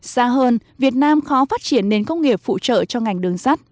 xa hơn việt nam khó phát triển nền công nghiệp phụ trợ cho ngành đường sắt